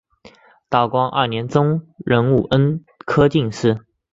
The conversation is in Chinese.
道光二年中壬午恩科进士。